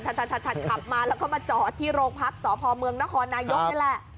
ขับมาแล้วก็มาจอดที่โรงพักษพเมืองนครนายกนี่แหละ